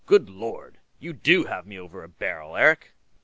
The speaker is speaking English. Good Lord! You do have me over a barrel, Eric!"